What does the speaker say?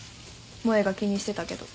萌が気にしてたけど。